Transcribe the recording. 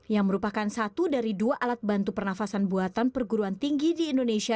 yang merupakan satu dari dua alat bantu pernafasan buatan perguruan tinggi di indonesia